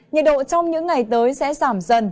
nhiệt độ trong những ngày tới sẽ giảm